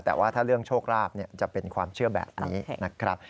แต่ว่าถ้าเรื่องโชคราบจะเป็นความเชื่อแบบนี้นะครับ